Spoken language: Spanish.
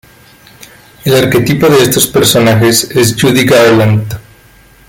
El arquetipo de estos personajes es Judy Garland.